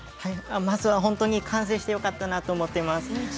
まずは本当に完成してよかったなと思っています。